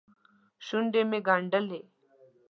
شونډې مې ګنډلې.